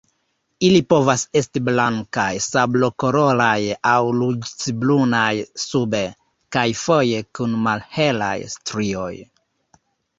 Ili povas esti blankaj, sablokoloraj aŭ ruĝecbrunaj sube, kaj foje kun malhelaj strioj.